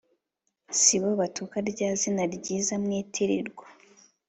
Si bo batuka rya zina ryiza mwitirirwa